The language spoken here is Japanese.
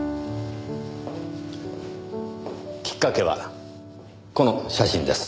きっかけはこの写真です。